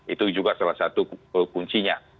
itu juga salah satu kuncinya